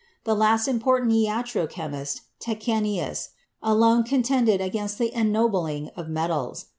The last important iatro chemist, Tachenius, alone contended against the ennobling of metals.